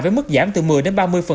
với mức giảm từ một mươi đến ba mươi